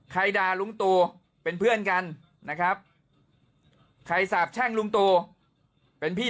ด่าลุงตูเป็นเพื่อนกันนะครับใครสาบแช่งลุงตูเป็นพี่